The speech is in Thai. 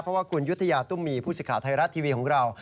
เพราะว่าคุณยุธยาตุรมีฟูศิกาไทรรัตน์ทีวีของเรา